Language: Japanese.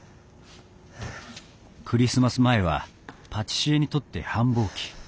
クリスマス前はパティシエにとって繁忙期。